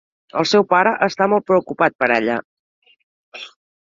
El seu pare està molt preocupat per ella.